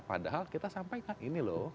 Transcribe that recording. padahal kita sampaikan ini loh